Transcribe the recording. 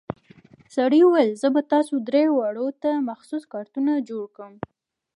سړي وويل زه به تاسو درې واړو ته مخصوص کارتونه جوړ کم.